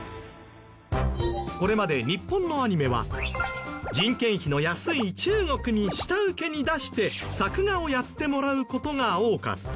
これまで日本のアニメは人件費の安い中国に下請けに出して作画をやってもらう事が多かった。